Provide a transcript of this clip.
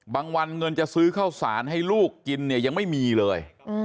วันเงินจะซื้อข้าวสารให้ลูกกินเนี่ยยังไม่มีเลย